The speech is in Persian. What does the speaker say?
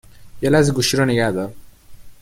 یه لحظه گوشی رو نگهدار